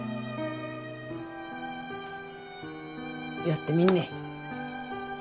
やってみんね。